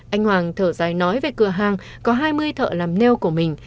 anh hoàng thở dài nói về cửa hàng có hai mươi thợ làm neo của mình